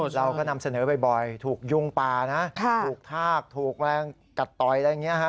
เราก็นำเสนอบ่อยถูกยุงป่านะถูกทากถูกแมลงกัดต่อยอะไรอย่างนี้ฮะ